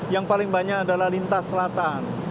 yang paling banyak adalah lintas selatan